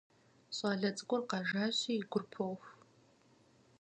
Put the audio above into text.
ЩӀалэ цӀыкӀур къэжащи, и гур поху.